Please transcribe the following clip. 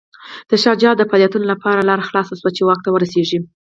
د شاه شجاع د فعالیتونو لپاره لاره خلاصه شوه چې واک ته ورسېږي.